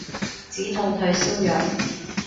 止痛退燒藥